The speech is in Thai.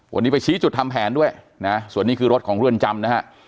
วันนี้ไปชี้จุดทำแผนด้วยนะส่วนนี้คือรถของเรือนจำนะฮะ